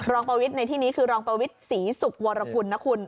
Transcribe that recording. ประวิทย์ในที่นี้คือรองประวิทย์ศรีสุขวรกุลนะคุณ